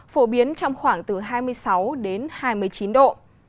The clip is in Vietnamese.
phổ biến trong khoảng từ hai mươi sáu đến hai mươi chín độ